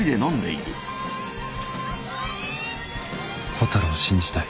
蛍を信じたい